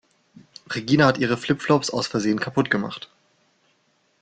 Regina hat ihre Flip-Flops aus Versehen kaputt gemacht.